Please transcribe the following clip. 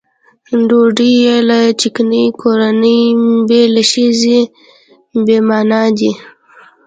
ډوډۍ بې له چکنۍ کورنۍ بې له ښځې بې معنا دي.